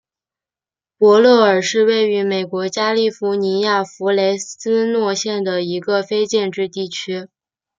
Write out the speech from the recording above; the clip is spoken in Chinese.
伯勒尔是位于美国加利福尼亚州弗雷斯诺县的一个非建制地区。